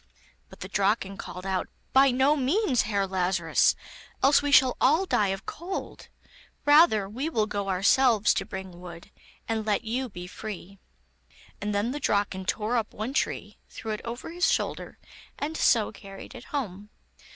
But the Draken called out: 'By no means, Herr Lazarus, else we shall all die of cold; rather will we go ourselves to bring wood, and let you be free.' And then the Draken tore up one tree, threw it over his shoulder, and so carried it home.